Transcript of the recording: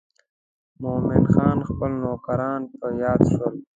مومن خان خپل نوکران په یاد شول.